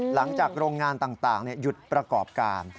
โรงงานต่างหยุดประกอบการ